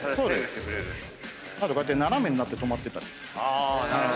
あとこうやって斜めになって止まってたり。